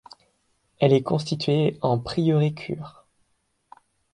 Elle est constituée en prieuré-cure.